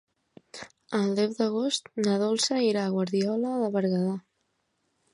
El deu d'agost na Dolça irà a Guardiola de Berguedà.